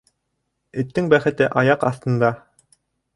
Эттең бәхете аяҡ аҫтында.